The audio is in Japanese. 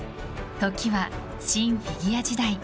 時はシン・フィギュア時代。